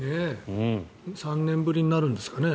３年ぶりになるんですかね。